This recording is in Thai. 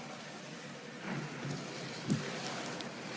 ผมจะขออนุญาตให้ท่านอาจารย์วิทยุซึ่งรู้เรื่องกฎหมายดีเป็นผู้ชี้แจงนะครับ